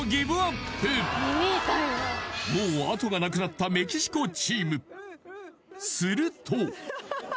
もう後がなくなったメキシコチームするとはあ